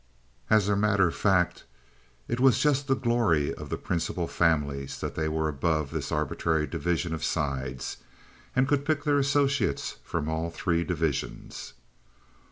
As a matter of fact, it was just the glory of the principal families that they were above this arbitrary division of "sides," and could pick their associates from all three divisions.